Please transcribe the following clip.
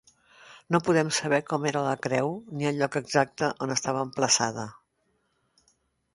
No podem saber com era la creu ni el lloc exacte on estava emplaçada.